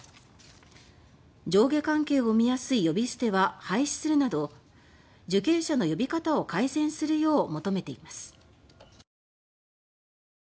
上下関係を生みやすい呼び捨ては廃止するなど受刑者の呼び方を改善するよう求めています。